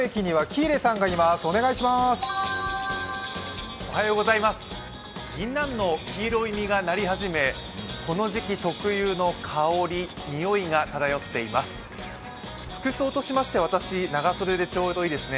ぎんなんの黄色い実がなり始め、この時期特有の香り、においがただよっています。